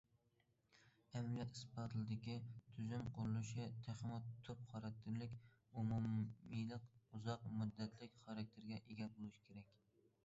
ئەمەلىيەت ئىسپاتلىدىكى، تۈزۈم قۇرۇلۇشى تېخىمۇ تۈپ خاراكتېرلىك، ئومۇمىيلىق، ئۇزاق مۇددەتلىك خاراكتېرگە ئىگە بولۇشى كېرەك.